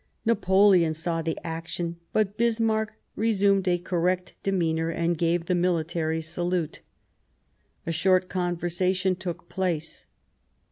Napoleon saw the action, but Bismarck resumed a correct demeanour and gave the military salute. A short conversation took place.